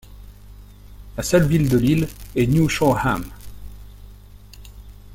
La seule ville de l'île est New Shoreham.